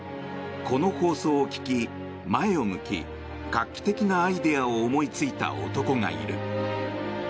この放送を聞き前を向き、画期的なアイデアを思いついた男がいる。